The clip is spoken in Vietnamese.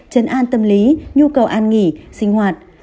chấn an tâm lý nhu cầu an nghỉ sinh hoạt